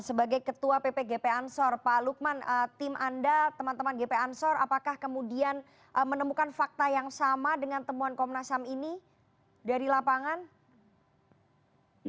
sebagai ketua ppgp ansor pak lukman tim anda teman teman gp ansor apakah kemudian menemukan fakta yang sama dengan temuan komnas ham ini dari lapangan